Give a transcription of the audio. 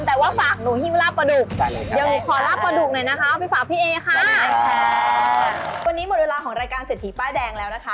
สาขาอันนี้เปิดมานานแค่ไหนนะคะ